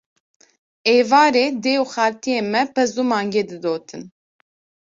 Êvarê dê û xaltiyên me pez û mangê didotin